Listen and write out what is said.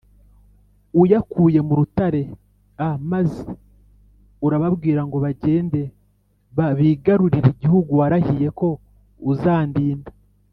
uyakuye mu rutare a maze urababwira ngo bagende b bigarurire igihugu warahiye ko uzandinda